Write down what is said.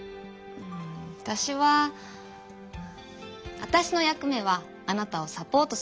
うんわたしはわたしの役目はあなたをサポートすることだから。